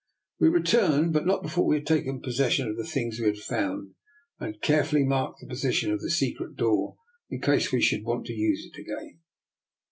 We returned, but not before we had taken possession of the things we had found, and had carefully marked the position of the se cret door in case we should want to use it again.